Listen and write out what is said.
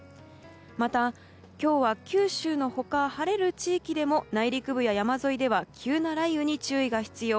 また、今日は九州の他晴れる地域でも内陸部や山沿いでは急な雷雨に注意が必要。